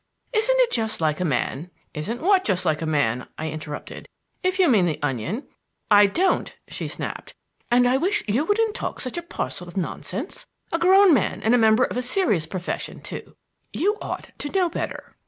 Isn't it just like a man " "Isn't what just like a man?" I interrupted. "If you mean the onion " "I don't!" she snapped; "and I wish you wouldn't talk such a parcel of nonsense. A grown man and a member of a serious profession, too! You ought to know better."